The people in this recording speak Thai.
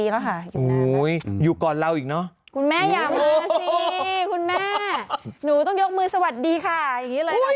จนดูแบบว่าภาพมันต่างจากอยู่เท่าไหร่